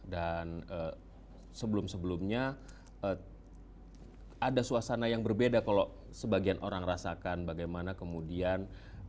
dan sebelum sebelumnya ada suasana yang berbeda kalau sebagian orang rasakan bagaimana kemudian